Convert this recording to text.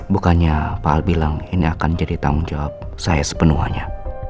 bukannya pak al bilang ini akan jadi tanggung jawab saya sepenuhnya